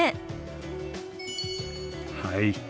はい。